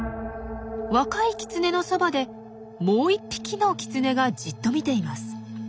若いキツネのそばでもう１匹のキツネがじっと見ています。